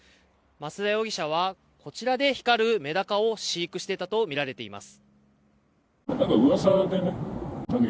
増田容疑者はこちらで光るメダカを飼育していたとみられています。